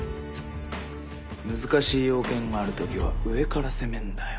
難しい用件がある時は「上」から攻めんだよ。